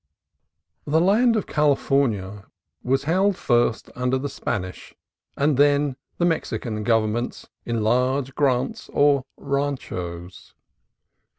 The land of California was held under first the Spanish and then the Mexican governments in large grants, or ranchos.